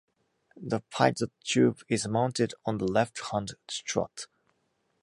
The pitot tube is mounted on the left-hand strut.